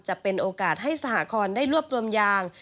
จะเป็นโอกาสให้สหกรได้รวบรวมยาง